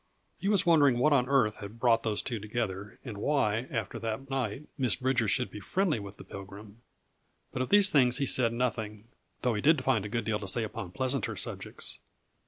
He was wondering what on earth had brought those two together and why, after that night, Miss Bridger should be friendly with the Pilgrim; but of these things he said nothing, though he did find a good deal to say upon pleasanter subjects.